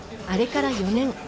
あれから４年。